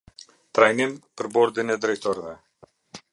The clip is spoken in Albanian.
Trajnim per bordin e drejtoreve